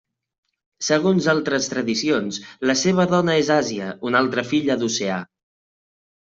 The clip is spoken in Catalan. Segons altres tradicions, la seva dona és Àsia, una altra filla d'Oceà.